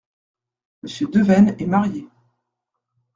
Monsieur Devaisnes est marié.